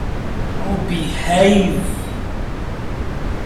Oh, behave!.